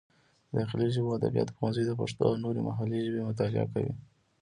د داخلي ژبو او ادبیاتو پوهنځی د پښتو او نورې محلي ژبې مطالعه کوي.